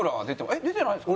えっ出てないですか？